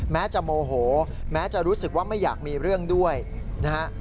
แม้จะโมโหแม้จะรู้สึกว่าไม่อยากมีเรื่องด้วยนะฮะ